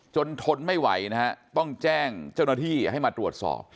ทนไม่ไหวนะฮะต้องแจ้งเจ้าหน้าที่ให้มาตรวจสอบ